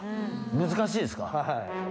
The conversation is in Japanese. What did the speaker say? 難しいですか。